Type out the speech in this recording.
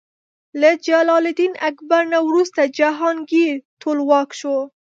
له جلال الدین اکبر نه وروسته جهانګیر ټولواک شو.